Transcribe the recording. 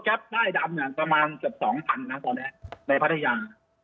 รถแก๊ปป้ายดำประมาณเกือบ๒๐๐๐ตอนนี้ในพัทยา